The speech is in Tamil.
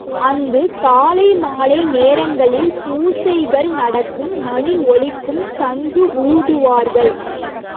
அங்கு காலை, மாலை நேரங்களில் பூசைகள் நடக்கும் மணி ஒலிக்கும் சங்கு ஊதுவார்கள்.